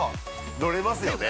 ◆乗れますよね？